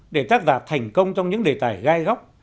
để tác giả thành công trong những đề tài gai góc